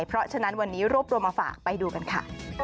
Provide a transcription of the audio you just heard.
เพราะฉะนั้นวันนี้รวบรวมมาฝากไปดูกันค่ะ